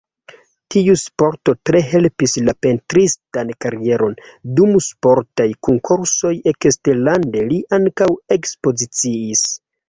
Tiu sporto tre helpis la pentristan karieron, dum sportaj konkursoj eksterlande li ankaŭ ekspoziciis.